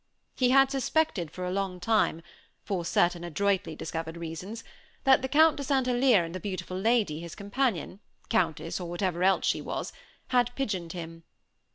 He had suspected for a long time, for certain adroitly discovered reasons, that the Count de St. Alyre and the beautiful lady, his companion, countess, or whatever else she was, had pigeoned him.